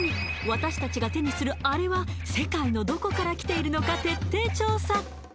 私たちが手にするアレは世界のどこから来ているのか徹底調査！